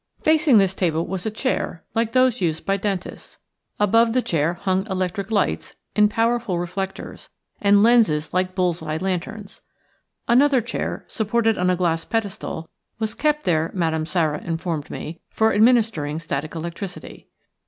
Facing this table was a chair, like those used by dentists. Above the chair hung electric lights in powerful reflectors, and lenses like bull's eye lanterns. Another chair, supported on a glass pedestal, was kept there, Madame Sara informed me, for administering static electricity.